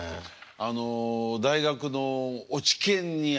あの大学の落研に入りまして。